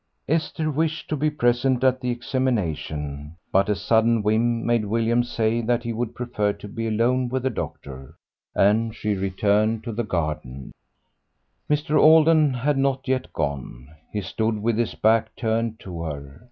Esther wished to be present at the examination, but a sudden whim made William say that he would prefer to be alone with the doctor, and she returned to the gardens. Mr. Alden had not yet gone. He stood with his back turned to her.